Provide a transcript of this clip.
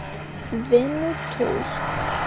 Venu tuj.